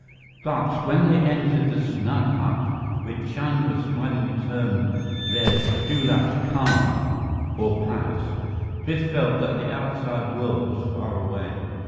But when they entered the snug hut which Chandra smilingly termed their daulat khana, or "palace," Biff felt that the outside world was far away.